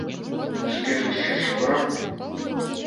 Шкеже чуч кораҥ!